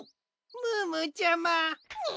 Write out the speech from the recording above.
ムームーちゃま！にゅ。